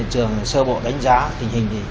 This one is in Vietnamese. trường sơ bộ đánh giá